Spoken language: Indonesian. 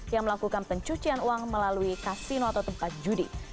yang melakukan pencucian uang melalui kasino atau tempat judi